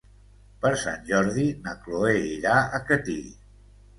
Per Sant Jordi na Cloè irà a Catí.